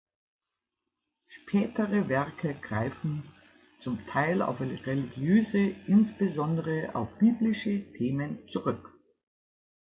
Spätere Werke greifen zum Teil auf religiöse, insbesondere auf biblische Themen zurück.